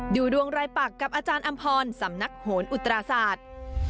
ดูดวงรายปักกับอาจารย์อำพรสำนักโหนอุตราศาสตร์